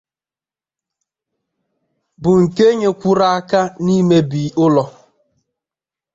bu nke nyekwuru aka n’imebi ụlọ